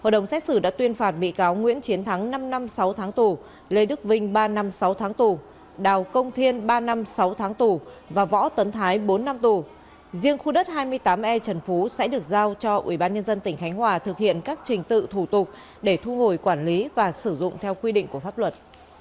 riêng khu đất hai mươi tám e trần phú sẽ được giao cho ubnd tỉnh khánh hòa thực hiện các trình tự thủ tục để thu hồi quản lý và sử dụng theo quy định của pháp luật